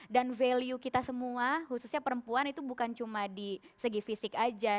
dan value kita semua khususnya perempuan itu bukan cuma di segi fisik aja